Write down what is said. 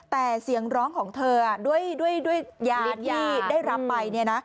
แต่เสียงร้องของเธอด้วยยาที่ได้รับไปเนี่ยนะ